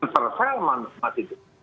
terserah mas itu